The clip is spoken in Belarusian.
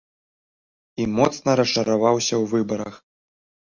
І моцна расчараваўся ў выбарах.